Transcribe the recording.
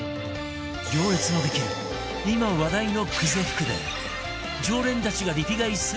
行列のできる今話題の久世福で常連たちがリピ買いする商品